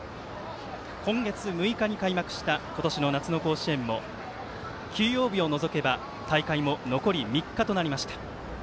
今月６日に開幕した今年の夏の甲子園も休養日を除けば、大会も残り３日となりました。